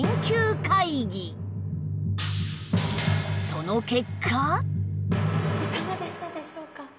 そこでいかがでしたでしょうか？